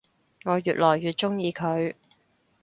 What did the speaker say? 我愈來愈鍾意佢